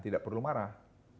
tidak perlu marah